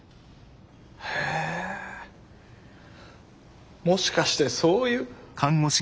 へェもしかしてそういう。